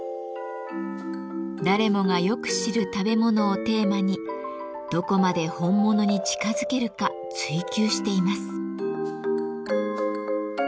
誰もがよく知る食べ物をテーマにどこまで本物に近づけるか追求しています。